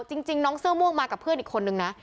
จริงน้องเสื้อม่วงมากับเพื่อนอีกคนนึงนะ